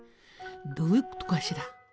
どういうことかしら？